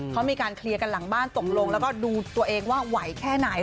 เขามีการเคลียร์กันหลังบ้านตกลงแล้วก็ดูตัวเองว่าไหวแค่ไหน